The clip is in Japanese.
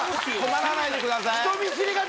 困らないでください。